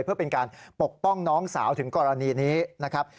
เพื่อเป็นการปกป้องน้องสาวถึงกรณีนี้นะครับ